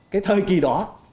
cái thời kỳ đó